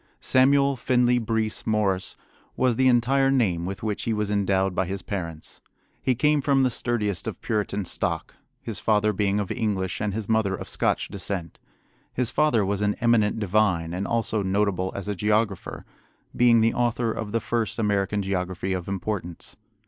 Samuel Finley Breese Morse was the entire name with which he was endowed by his parents. He came from the sturdiest of Puritan stock, his father being of English and his mother of Scotch descent. His father was an eminent divine, and also notable as a geographer, being the author of the first American geography of importance.